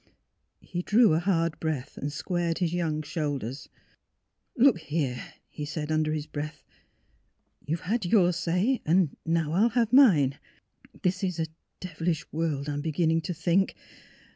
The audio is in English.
He drew a hard breath and squared his young shoulders. " Look here," he said, under his breath. " You've had your say, now I'll have mine. This is a devilish world, I'm beginning to think.